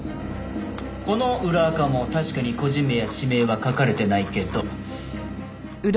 この裏アカも確かに個人名や地名は書かれてないけど。